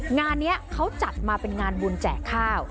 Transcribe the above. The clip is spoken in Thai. งานนี้เขาจัดมาเป็นงานบุญแจกข้าว